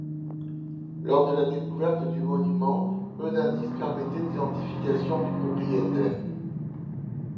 Lors de la découverte du monument, peu d'indices permettaient l'identification du propriétaire.